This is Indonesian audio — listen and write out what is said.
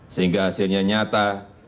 sehingga hasilnya nyata